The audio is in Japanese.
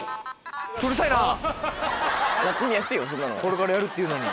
これからやるっていうのに。